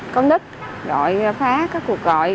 con nít gọi phá các cuộc gọi